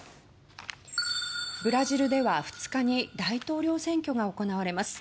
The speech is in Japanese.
ブラジルでは２日に大統領選挙が行われます。